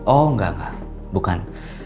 oh nggak nggak bukan